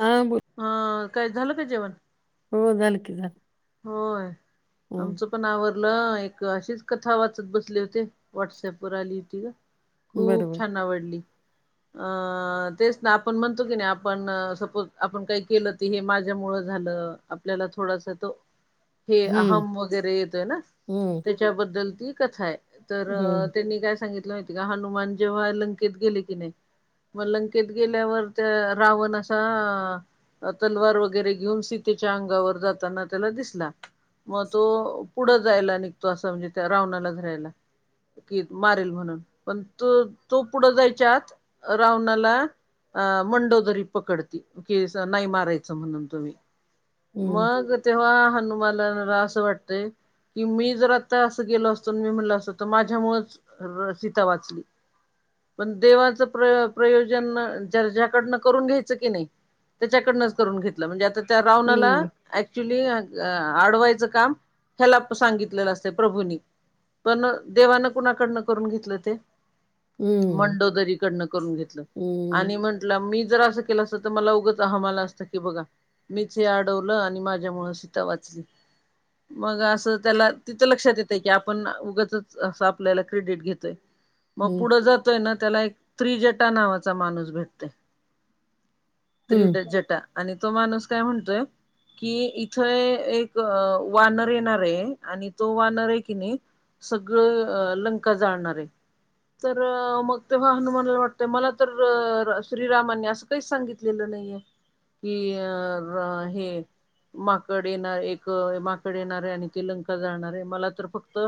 हा बोल. अ काय झालं का जेवण? हो झाले की ना. होय, आमचं. पण आवरलं एक अशीच कथा वाचत बसले होते, व्हॉट्सअप व आली होती ग. खूप बरोबर. छान आवडली अ- तेच ना, आपण म्हणतो की नाही आपण सपोज आपण काही केलं त हे माझ्या मुळ झालं- आपल्याला थोडासा तो- हे हं, अहम येतय वैगरे आहे ना हं, त्याच्याबद्दल ती कथा हाय. तर हं, त्यांनी सांगितलं? एकदा हनुमान जेव्हा लंकेत गेले की नाही- मग लंकेत गेल्यावर त्या रावण असा. तलवार वगैरे घेऊन सीतेच्या अंगावर जाताना. त्याला दिसला मग तो पुढं जायला निघतो असं म्हणजे त्या रावणाला धरायला. कि मारेल म्हणून पण त तो पुढं जायच्या आत रावणाला. अ मंडोदरी पकडती कि नाही मारायच म्हणून तुम्ही. हं, मग तेव्हा हनुमालाला असं वाटतेय. कि मी जर आता असं गेलो असतो मी म्हटल असतो तर माझ्यामुळेच सीता वाचली. पण देवाचं प्र प्रयोजन ज्याच्याकडन करून घ्यायचं की नाही. त्याच्याकडनच करून घेतलं म्हणजे आता त्या हं, रावणाला. हं, क्च्युली आडवायचं काम ह्याला सांगितलेलं असत प्रभूनी. पण देवानं कुणाकडनं करून घेतलं ते. हं, मंडोदरीकडन करून घेतलं हं, आणि म्हंटला मी जर असं. उगच हा मला म्हणालता की मीच अडवल आणि म त्यामुळे सीता वाचली. मग असं त्याला तिथं लक्षात येते की आपण उगच अस आपल्याला क्रेडिट घेतोय. [inaudible] मग हं, पुढं जातोय ना त्याला एक त्रिजटावाला नावाचा माणूस भेटतोय. हं, त्रीड जटा आणि तो माणूस काय म्हणतोय. कि इथ एक वानर येणार ये आणि तो वानर ये की नई. सगळं अ लंका जाळणार आहे. तर मग तेव्हा हनुमानला वाटतंय मला तर श्रीरामांनी असं. काही सांगितलेलं नईये की अ हे माकड येणार एक माकड येणार ये आणि ती लंका जळणार ये मला तर फक्त.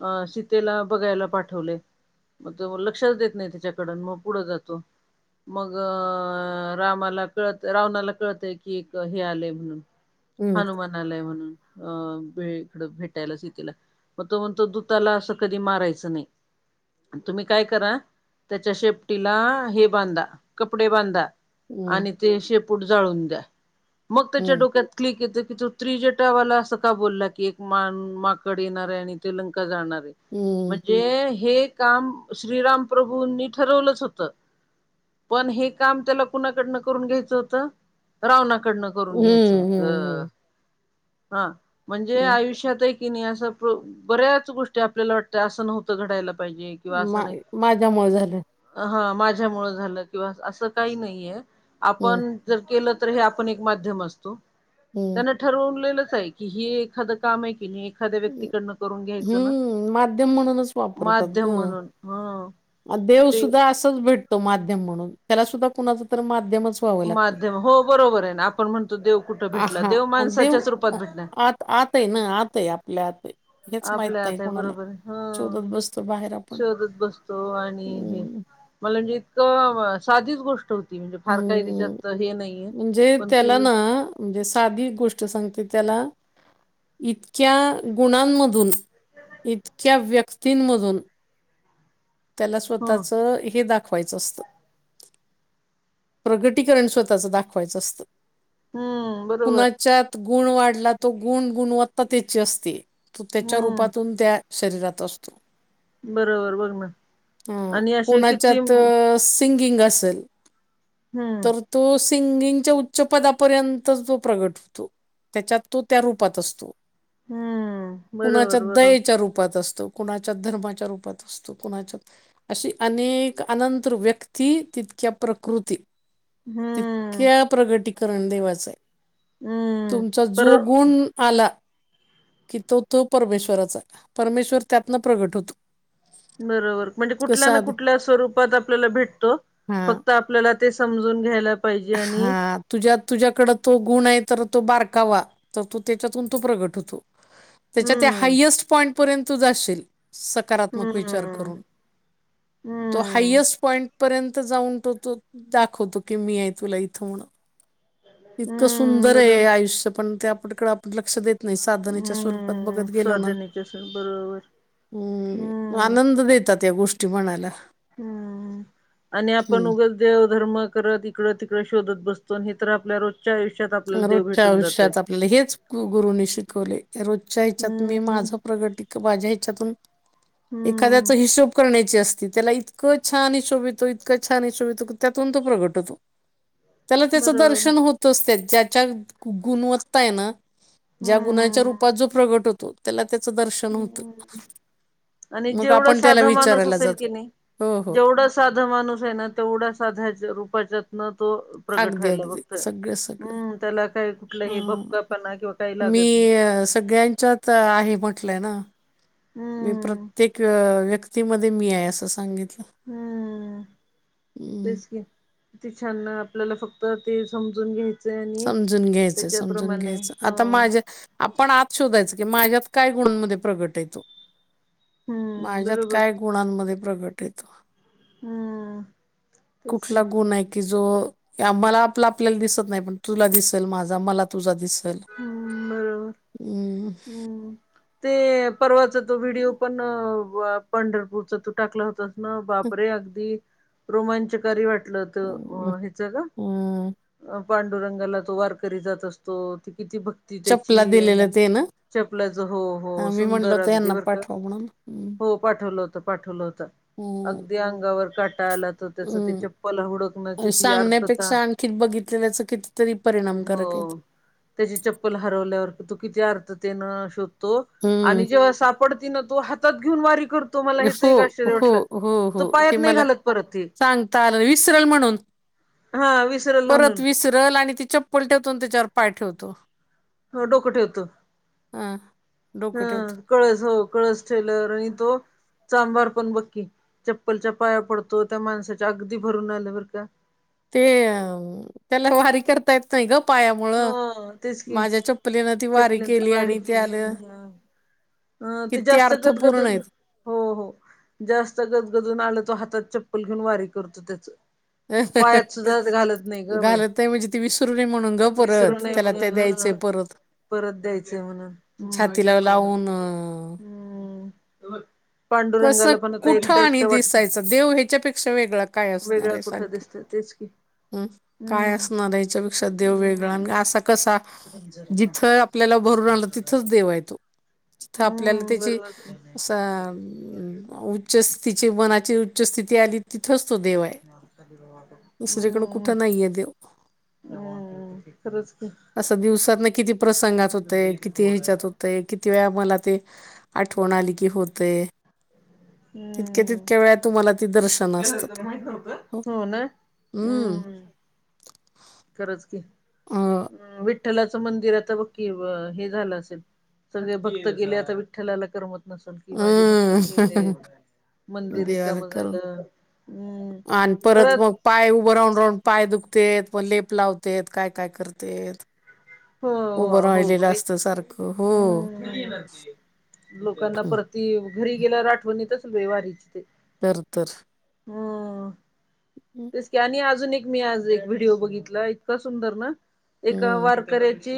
अ शीतेला बघायला पाठवले. मग तो लक्षच देत नाही तीच्याकड मग पुढं जातो. मग अ रामाला कळत रावणाला कळतय की एक हे आलेय म्हणून. हनुमान आलाय म्हणून अ बेळी इकडं भेटायला शीतेला. मग तो म्हणतो तू त्याला असं कधी मारायचं नई. तुम्ही काय करा त्याच्या शेपटीला हे बांधा कपडे बांधा. हं, आणि ते शेपूट जाळून द्या मग त्याच्या डोक्यात. क्लिक येत की तो त्रिजटावाला असं का बोलला की एक मा माकड येणार ये आणि ती लंका जाणार ये. हम्म. म्हणजे हे काम श्रीराम प्रभूंनी ठरवलंच होतं. पण हे काम त्याला कुणाकडनं करून घ्यायचं होतं रावणाकडनं करून हं, घ्यायचं होत. हं, हं, हा म्हणजे हं. आयुष्यात ये की नई असं बऱ्याच गोष्टी आपल्याला वाटत असं नव्हतं घडायला. पाहिजे किंवा असं मा, नाही माझ्यामुळे झालं. हा माझ्यामुळे झालं किंवा असं काही नाहीये. हं, आपण जर केलं तर हे आपण एक माध्यम असतो. हं, त्यांना ठरवलेलंच आहे की, हे एखादं काम आहे की नाही. एखाद्या हं, व्यक्तीकडन करून घ्यायचं ना, हं, माध्यम म्हणूनच माध्यम म्हणून ह. देव ते सुद्धा असंच भेटतो माध्यम म्हणून, त्याला सुद्धा कुणाच तर माध्यमचं माध्यम. हो बरोबर आहे न. आपण म्हणतो देव कुठं भेटला हां, देव आणि देव माणसाच्याच रूपात अ, भेटणार. आत आहे ना, आत आहे, आपल्या आत आहे. हेच माहीत आपल्या नाही आत आहे कोणाला. बरोबर, हो शोधत बसतो बाहेर आपण शोधत बसतो आणि हे हम्म मला जितकं साधीच गोष्ट म्हणजे फार काही हम्म त्याच्यात हे नाहीये, म्हणजे पण ती त्याला ना म्हणजे साधी गोष्ट सांगते त्याला इतक्या गुणांमधून इतक्या व्यक्तींमधून. त्याला ह स्वतःचं हे दाखवायचं असतं.. प्रगतीकरण स्वतःच दाखवायचं असतं. हम्म बरोबर कुणाच्यात गुण वाढला तो गुण गुणवत्तातेची असती. तो त्याच्या हम्म रूपातून त्या शरीरात असतो. बरोबर ब बर मन.. हू कुण्याच्यात सिंगिंग असेल तर. तो सिंगिंगच्या उच्च पदापर्यंत तो प्रगट होतो.. त्याच्यात तो त्या रूपांत असंतो.. हम्म कुणाच्या बरोबर बरोबर दयेच्या रूपात असतो, कुणाच्या धर्माच्या रूपात असंतो. कोणाच्या, अशी अनेक अनंत व्यक्ती तितक्या प्रकृती. हम्म तितक्या प्रगतीीकरण देवाच आहे हम्म तुमचा पर जो गुण.. आला.. की तो तो परमेश्वराचा आहे परमेश्वर त्यातनं प्रगट होतो. बरोबर म्हणजे कुठल्या कसा ना कुठल्या स्वरूपांत आपल्याला भेटतो हा फक्त आपल्याला ते समजून घ्यायला. पाहिजे आणि हा तुझ्या तुझ्याकडे तो गुण आहे तर तो बारकावा तर तो त्याच्यातून तो प्रगट होतो. त्याच्या त्या हम्म हायस्ट पॉईंट पर्यंत तु जाशील स. सकारात्मक विचार हम्म करून. तो हम्म हायस्ट पॉईंट पर्यंत जाऊन तो तो दाखवतो की मी आहे तुला इथं म्हणून.. इतकं हम्म सुंदर बर आहे आयुष्य पण ते आपकं आपण लक्ष देत. नाही साधनेच्या स्वरूपत हम्म बघत गेलो ना.. [inaudible] हम्म आनंद देतांत या गोष्टी म्हणायला.. हम्म आणि आपण हम्म, उगच. देवधर्म करत इकड तिकडें शोधत बसतो हे तर आपल्या रोज. [inaudible] रोजच्या आयुष्यात आपल्याला हेच गुरुनी शिकवले रोजच्या हिच्यात मी हम्म माझं प्रगती.. बाजे चकून हम्म एखाद्याचा हिशोब करण्याचे असतील.. त्याला इतकं छान हिशोबईतो इतकं छान हिशोबितो की त्यातून तो प्रगट होतो. ‌ त्यांला त्याचं बरोबर दर्शन होत असंते ज्याच्या गुणवत्ता हाय ना. ज्या हम्म हम्म गुणाच्या रूपात हम्म जो प्रगट होतो. त्याला त्याच दर्शन होतं. हम्म आणि मग जेवढं आपण त्याला साधा माणूस विचारायला असेल की जातो. नाही हो, हो. जेवढा साधा माणूस आहे ना तेवढा साध्याच्या रूपाच्यात न तो प्रगट अगदी व्हायला अगदी बघतोय, सगळं सगळं हम्म त्याला काही कुठलाही अं, भपकापणा किंवा काही मी लागत नाही. सगळ्यांच्यात चल आहे म्हटलं ना, मी हम्म प्रत्येक व्य मध्ये मी आहे असं सांगितलं. हम्म हम्म. तेच की. किती छान, आपल्याला फक्त ते समजून घ्यायच समजून घ्यायचं, समजून घ्यायचं, हो आता माझ्या आपण आत शोधायचं की माझ्यात काय गुणांमध्ये प्रगट आहे तो. हम्म माझ्यात बरोबर काय गुणांमध्ये प्रगट आहे तो. हम्म तेच की कुठला गुण आहे. की जो मला आपला आपल्याला दिसत नाही, पण तुला दिसेल माझा, मला तुझा दिसेल. [unintelligible] हम्म. हम् ते परवाचा तो व्हिडिओ पण वा पंढरपूरचा तू टाकला होतास ना बापरे अगदी रोमांचकारी वाट कुठंल तो हेच गं. अं, पांडुरंगाला तो वारकरी जात असतो ती किती भक्त चप्पला दिलेलं ते ना? चपल्याच हो हो हा, मी म्हणलं सुंदर होतं अगदी यांना बर का पाठवा म्हणून हम्म. हो. पाठवलं होत पाठवलं होत हम्म. अगदी अंगावर काटा आला. तर त्याच ते चप्पल हुडकण्याची ती आर्तता सांगण्यापेक्षा आणखी बघितलेल्याच तरी परिणाम कारक आहेत. हो त्याची चप्पल हरवल्यावर तो किती अर्थतेन शोधतो हम्म आणि जेव्हा साप पडतीनं तो हातात घेऊन वारी कर तुम्हाला हेच हो एक आश्चर्य हो वाटलं हो हो तो ते पायात नाही मला घालत परत ते. सांगता आलं नाही. विसरल हा विसरलं म्हणून. त्या विसरलं आणि ती चप्पल ठेवतो नी त्यांच्यावर पाय ठेवतो. हो डोकं ठेवत हा डोकं हम्. ठेवतो कळस हो कळस ठेवल्यावर आणि तो, चांभार पण बघ की चप्पलच्या पाया पडतो त्या माणसाच्या अगदी भरून आलं बरं का. ते त्याला वारी कर ता यत नाही ग पायामुळ हो तेच की माझ्या चपलीनं ती वारी चपल्यानंतर केली आणि ते आलं. अं ते किती जास्त अर्थपूर्ण गदगदत, आहेत हो हो जास्त गजगदून आलं तो हातात चप्पल घेऊन वारी करतो त्याचं.. अ ह् अ ग बाई घालत नाही आहे म्हणजे ती विसरू नये म्हणून गं विसरू परत नये त्याला ते म्हणून द्यायचे ह आहे परत. परत परत द्यायचंय म्हणून हम् लावून अ ह्म, कसं पांडुरंगाला पण आता कुठं एकटं आणि एकटं वाटत. दिसायचं देव ह्याच्यापेक्षा वेगळा वेगळा कुठं दिसतंय. तेच की. हम काय हम्म असणार याच्यापेक्षा देव हम्म वेगळा असा कसा जिथं, आपल्याला भरून आलं तिथंच देवा य तो. तिथ आपल्याला हम्म त्याची बरोबर असं, उच्च स्थितीची मनाची उच्च स्थिती आली तिथंच तो देव आहं. नाहीये हम् देव खरंच की. असं दिवसातनं किती प्रसंगात होतेय किती ह्याच्यात होतंय, किती वेळा मला ते आठवण आली की होतंय. तितक्या हम्म तितक्या वेळा तुम्हाला ते दर्शनं असतात. हो ना हम्म. खरंच की अ वि विठ्ठलाचं मंदिर आता बकी हे झालं असेल सगळे भक्त गेले आता विठ्ठलाला करमत, नसल कि माझे भक्त हम्म गेले मंदिर रिकाम झालं हम्, आणं परत मग. पाय उभं राहून राहून पाय दुखतेत कोण लेप लावत्यात काय काय करतेत. हो उभं हो हो गं राहिलेलं बाई असतं सारखं हो हम् लोकांना परत, ती घरी गेल्यावर आठवण येतच ववारीची ते. तर तर. हम तेच की, ते आणि अजून एक मी आज व्हिडओ बघितला इतका सुंदर ना एक हम्म वार वारकऱ्याची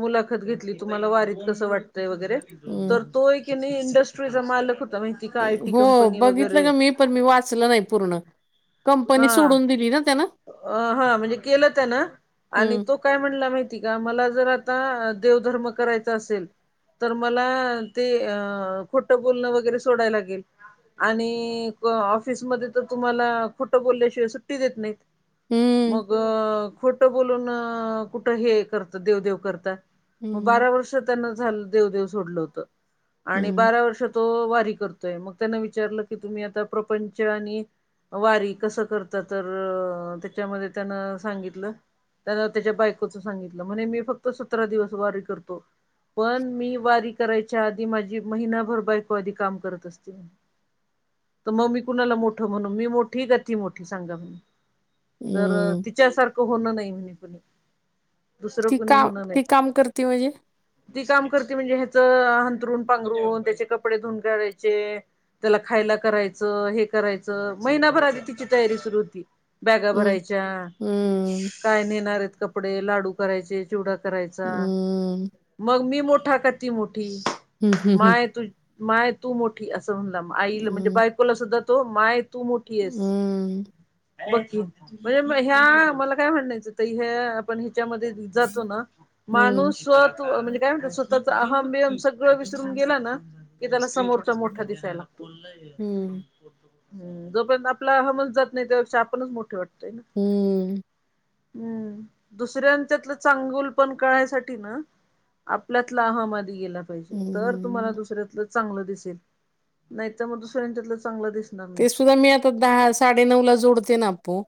मुलाखत घेतली तुम्हाला वारीत कसं वाटतंय वगैरे हम्म तर तो, कि नाही इंडस्ट्रीचा मालक होतमही. हो बघितलं का मी. पण मी वाचलं नाही पूर्ण कंपनी सोडून दिली ना त्यांन. अ हा म्हणजे केलं त्यानं आणि हम्म तो काय म्हणला माहिती हे का मला जर आता देवधर्म करायचा असेल, तर मला ते अ खोटं बोलणं वगैरे सोडाय लागेल. आणि ऑफिसमध्ये तर तुम्हाला खोटं बोलल्याशिवाय सुट्टी देत नाहीत. हम्म मग खोटं बोलून कुठ हे करता देव देव करता. मग हं, बारा वर्ष त्यांना झा देवदेव सोडलं होत आणि हं, बारा वर्ष तो वारी करतो. तय मग त्यांना विचारलं की तुम्ही आता प्रपंच आणि वारी कसं करत तर त्याच्यामध्ये त्यानं सांगितलं त्याना त्याच्या बायकोच सांगितलं म्हणे मी फक्त सतरा दिवस वारी करतो. पण मी वारी करायच्या आधी माझी महिनाभर बायको आधी काम करत असते. तर मग मी कुणाला मोठं म्हणू मी मोठी काय ती मोठी सांगा. तर हं. तिच्यासारखं होणं नाही म्हणे कोणी. ती काम ती काम करते वये ती काम करती म्हणजे ह्याच हंतरून पांघरून त्याचे कपडे धुून करायचे. त्याला खायला करायचं हे करायचं महिनाभर आधी तिची तयारी सुरु होती. बॅगा हं, भरायच्या. हं, काय नेणार आहेत कपडे लाडू करायचे चिवडा करायचा हं. मग मी मोठा क ती मोठी हं, हं, हं. माय तु माय तू मोठी असं म्हणला आईला म्हणजे हं, बाय ला सुद्धा तो माय तू मोठी आहेस. हं, बकी म्हणजे ह्या मला काय म्हणणायचं ताई ह्या पण ह्याच्यामध्ये जातो ना हं, माणूस म्हणजे काय म्हणतात म्हणतः [unintelligible] सगळं विसरून गेला ना कि त्याला समोरचा मोठा दिसाय लागतो. हं, हम् जोपर्यंत आपला हमच जात नाही त्यापेक्षा आपणच मोठे वाटतय ना. हम्म. हम्म दुसऱ्यांच्यातलं चांगुलपण कळायसाठी ना आपल्यातला हमाली गेला. पाहिजे तर तुम्हाला हं. दुसर्यातल चांगलं दिसेल नाही तर मग दुसऱच्यात चांगलं नामी ते [unintelligible] सुद्धा मी आता दहा साडे नऊ ला जोडते ना आपो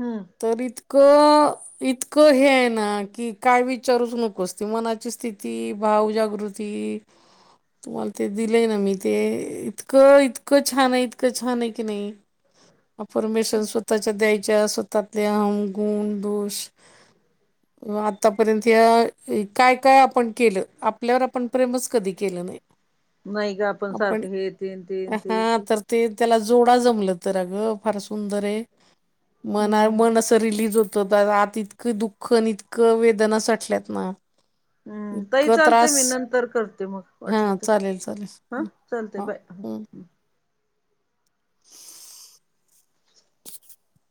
हम. तर इतकं इतकं हे आहे ना की काय विचारूच नकोच ती मनाची स्थिती भावजागृती, ती तुम्हाला ते दिलय ना मी ते इतकं इतकं छान आहे त छान आहे कनी नाही [unintelligible] मेशन स्वतः द्यायच्या त्यातले अहम गुण [unintelligible] आतापर्यंत त्या काय काय आपण केलं आपल्यावर आपण प्रेमच कधी केलं नाही. नाही का आपण सारखं हे तेन तेन तेच हा तर ते त्याला जोडा जमलं तर अगं फार सुंदर आहे. मनाय हम्म मन अस रिलीज होत तो दत आत इतकं दुःख आणि इतकं वेदना साटल्यात ना? हम्म इतक ताई चालते त्रास मी नंतर करते मग हा वाटलं तर चालेल हा चालते चालेल. बाय. [unintelligible] [unintelligible]